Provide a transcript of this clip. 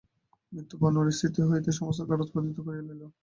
মৃত্যু বনোয়ারির স্মৃতি হইতে সমস্ত কাঁটা উৎপাটিত করিয়া লইল।